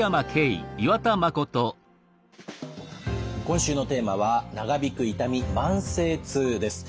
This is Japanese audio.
今週のテーマは「長引く痛み慢性痛」です。